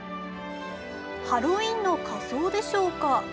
ハロウィーンの仮装でしょうか。